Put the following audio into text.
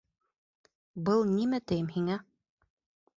Был нимә тием һиңә?!